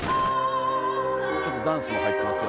ちょっとダンスも入ってますよ。